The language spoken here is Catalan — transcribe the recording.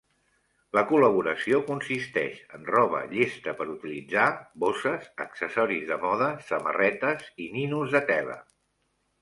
La col·laboració consisteix en roba llesta per utilitzar, bosses, accessoris de moda, samarretes i ninos de tela.